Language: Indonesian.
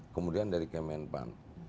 kemudian dari kemenpan